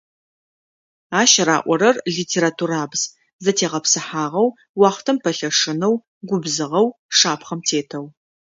Ащ раӏорэр - литературабз: зэтегъэпсыхьагъэу, уахътэм пэлъэшынэу, губзыгъэу, шапхъэм тетэу.